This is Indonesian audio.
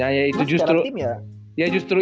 ya ya itu justru secara tim ya ya itu justru